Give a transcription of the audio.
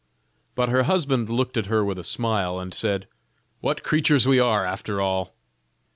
But her husband looked at her with a smile, and said "What creatures we are after all!